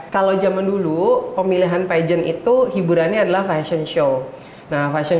delapan puluh tiga kalau zaman dulu pemilihan pageant itu hiburannya adalah fashion show nah fashion